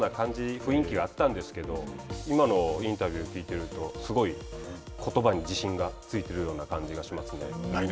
雰囲気があったんですけど今のインタビューを聞いているとすごい、ことばに自信がついてるような感じがしますね。